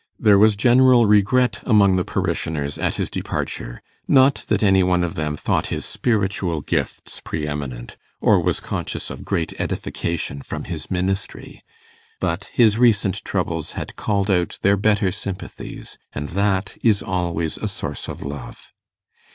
There was general regret among the parishioners at his departure: not that any one of them thought his spiritual gifts pre eminent, or was conscious of great edification from his ministry. But his recent troubles had called out their better sympathies, and that is always a source of love.